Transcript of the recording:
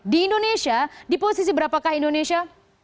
di indonesia di posisi berapakah indonesia